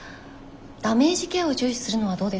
ダメージケアを重視するのはどうですか？